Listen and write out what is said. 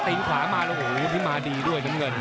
ตีงขวามาแล้วโหมีมาดีด้วยน้ำเงิน